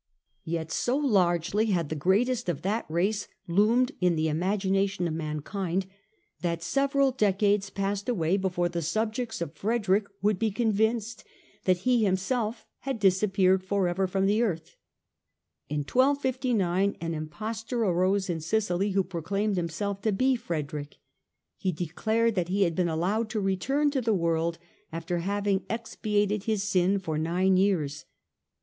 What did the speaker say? Yet so largely had the greatest of that race loomed in the imagination of mankind that many decades passed away before the subjects of Frederick would be con vinced that he himself had disappeared for ever from the earth. In 1259 an impostor arose in Sicily who pro claimed himself to be Frederick : he declared that he had been allowed to return to the world after having expiated his sin for nine years.